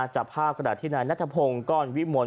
จับภาพกระดาษที่นายนัทพงศ์ก้อนวิมล